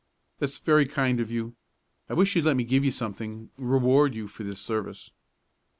"That's very kind of you. I wish you'd let me give you something reward you for this service."